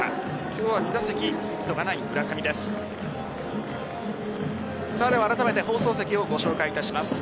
今日は２打席ヒットがない村上です。